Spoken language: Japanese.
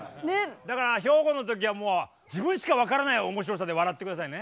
だから兵庫の時はもう自分しか分からない面白さで笑って下さいね。